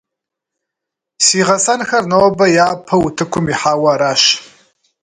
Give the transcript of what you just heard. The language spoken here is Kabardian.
Си гъэсэнхэр нобэ япэу утыкум ихьауэ аращ.